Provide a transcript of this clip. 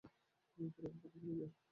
পুরানো কথা ভুলে যাও।